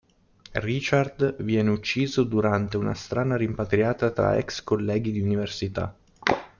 Richard viene ucciso durante una strana rimpatriata tra ex colleghi di università.